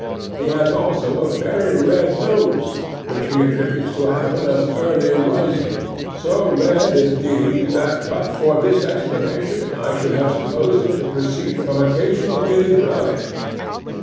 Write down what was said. He has also a very red nose, which he attributes to a habit of early rising—so red, indeed, that but for this explanation I should have supposed it to proceed from occasional inebriety.